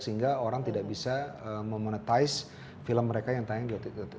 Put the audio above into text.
sehingga orang tidak bisa memonetize film mereka yang tayang di waktu itu